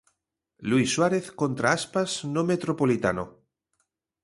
Luís Suárez contra Aspas no Metropolitano.